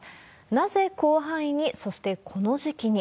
なぜ広範囲に、そしてこの時期に。